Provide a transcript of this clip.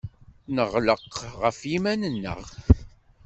Neɣleq ɣef yiman-nneɣ.